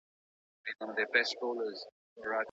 د شريعت له اصولو څخه سرغړونه مه کوئ.